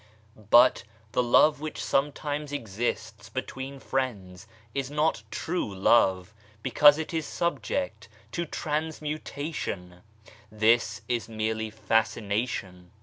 But the love which sometimes exists between friends is not (true) love, because it is subject to transmutation ; this is merely fascination.